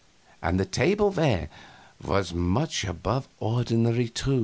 And the tableware was much above ordinary, too.